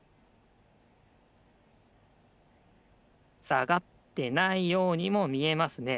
さがってないようにもみえますね。